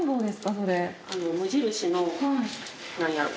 それ無印のなんやろ？